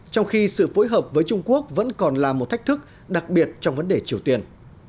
trong khi sự phối hợp với trung quốc vẫn còn là một thách thức đặc biệt trong vấn đề triều tiên